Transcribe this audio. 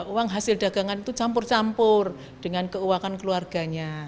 uang hasil dagangan itu campur campur dengan keuangan keluarganya